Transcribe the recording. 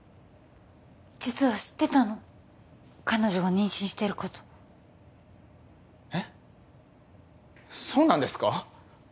実は知ってたの彼女が妊娠してることえっそうなんですか？